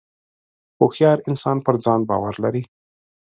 • هوښیار انسان پر ځان باور لري.